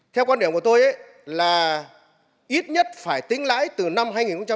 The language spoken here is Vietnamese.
theo quan điểm của tôi là ít nhất phải tính lãi từ năm hai nghìn sáu